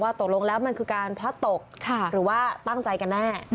ตกลงแล้วมันคือการพลัดตกหรือว่าตั้งใจกันแน่